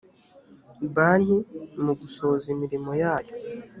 banki mu gusohoza imirimo yayo